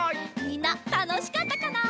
みんなたのしかったかな？